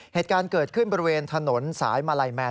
เหตุการณ์เกิดขึ้นบริเวณถนนสายมาลัยแมน